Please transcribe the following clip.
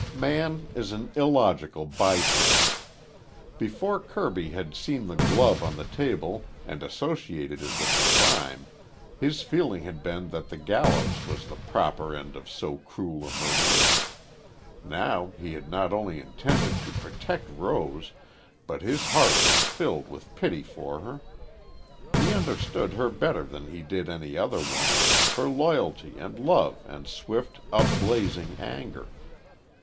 Man is an illogical biped. Before Kirby had seen the glove on the table and associated it with the crime, his feeling had been that the gallows was the proper end of so cruel a murderer. Now he not only intended to protect Rose, but his heart was filled with pity for her. He understood her better than he did any other woman, her loyalty and love and swift, upblazing anger.